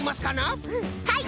はい！